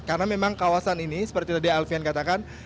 karena memang kawasan ini seperti tadi alfian katakan